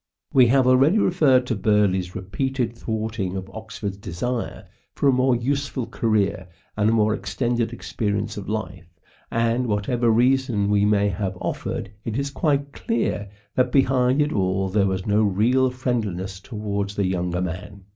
We have already referred to Burieigh's repeated thwarting of Oxford's desire for a more useful career and a more extended experience of life ; and whatever reason he may have offered, it is quite clear that behind it all there was no real friendliness towards the younger man.